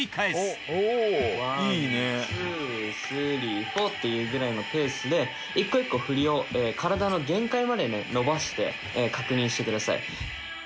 ワンツースリーフォーっていうくらいのペースで１個１個振りを体の限界までね伸ばして確認してください。